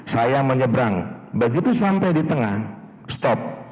saya menyeberang begitu sampai di tengah stop